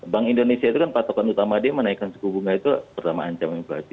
bank indonesia itu kan patokan utama dia menaikkan suku bunga itu pertama ancaman inflasi